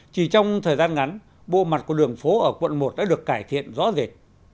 chỉ trong thời gian ngắn bộ mặt của đường phố ở quận một đã được cải thiện rõ rệt